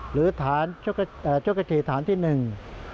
หรือฐานชกฐีฐานที่หนึ่ง